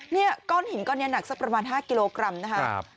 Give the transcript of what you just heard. นี่ก้อนหินก้อนนี้หนักสักประมาณ๕กิโลกรัมนะครับ